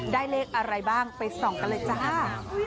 เลขอะไรบ้างไปส่องกันเลยจ้า